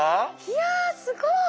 いやすごい。